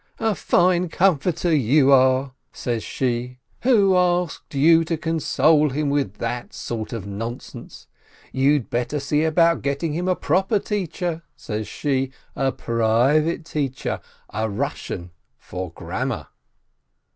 "A fine comforter you are," 166 SHOLOM ALECHEM says she, "who asked you to console him with that sort of nonsense? You'd better see about getting him a proper teacher," says she, "a private teacher, a Eussian, for grammar